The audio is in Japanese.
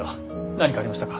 何かありましたか？